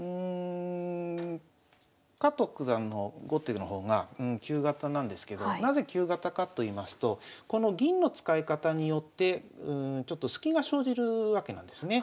加藤九段の後手の方が旧型なんですけどなぜ旧型かといいますとこの銀の使い方によってちょっとスキが生じるわけなんですね。